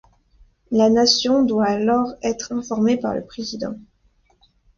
La nation doit alors être informée par le président.